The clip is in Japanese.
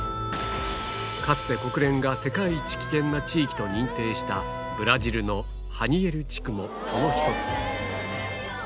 かつて国連が世界一危険な地域と認定したブラジルのハニエリ地区もその一つ。